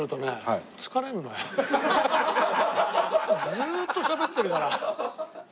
ずーっとしゃべってるから。